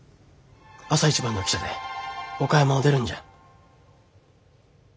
朝一番の汽車で岡山を出るんじゃ。